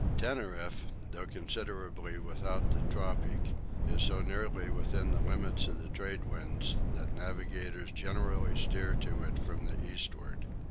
Tenerife, though considerably without the tropic, is so nearly within the limits of the tradewind that navigators generally steer to it from the eastward.